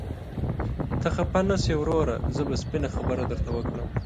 ته خفه نشې وروره، زه به سپينه خبره درته وکړم.